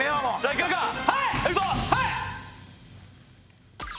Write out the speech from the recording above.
はい！